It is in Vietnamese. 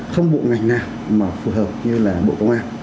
không bộ ngành nào mà phù hợp như là bộ công an